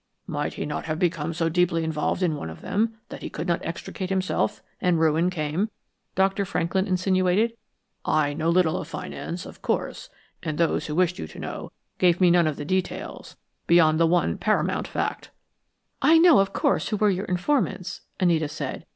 "Might he not have become so deeply involved in one of them that he could not extricate himself, and ruin came?" Dr. Franklin insinuated. "I know little of finance, of course; and those who wished you to know gave me none of the details beyond the one paramount fact." "I know, of course, who were your informants," Anita said.